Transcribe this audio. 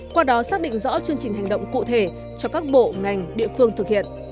qua đó xác định rõ chương trình hành động cụ thể cho các bộ ngành địa phương thực hiện